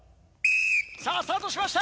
さぁスタートしました！